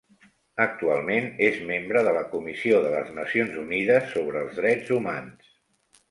Actualment, és membre de la Comissió de les Nacions Unides sobre els Drets Humans.